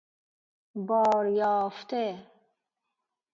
بار یافته